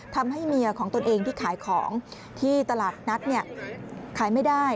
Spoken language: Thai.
ทำให้เมียของตนเองที่ขายของที่ตลาดนัดขายไม่ได้